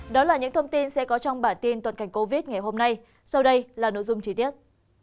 đó là những thông tin sẽ có trong bản tin tuần cảnh covid ngày hôm nay sau đây là nội dung chi tiết